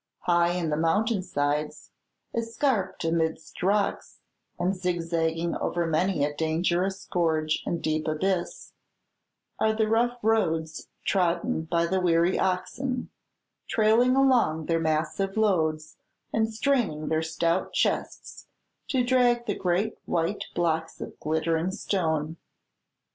High in the mountain sides, escarped amidst rocks, and zig zagging over many a dangerous gorge and deep abyss, are the rough roads trodden by the weary oxen, trailing along their massive loads and straining their stout chests to drag the great white blocks of glittering stone.